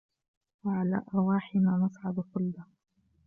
و على أرواحنا نصعد خلدا